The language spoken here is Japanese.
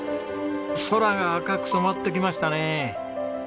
空が赤く染まってきましたね。